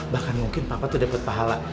bahkan mungkin papa tuh dapat pahala